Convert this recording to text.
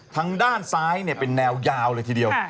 ทางด้านซ้ายเป็นแนวยาวเลยทีเดียว